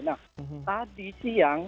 nah tadi siang